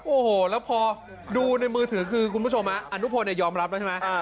โอ้โหแล้วพอดูในมือถือคือคุณผู้ชมอนุพลยอมรับแล้วใช่ไหม